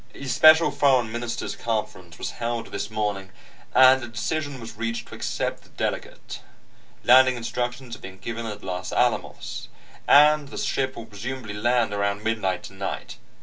A special foreign ministers conference was held this morning, and a decision was reached to accept the delegate. Landing instructions are being given at Los Alamos, and the ship will presumably land around midnight tonight.